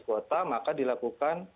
kuota maka dilakukan